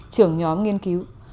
trưởng nhóm nghiên cứu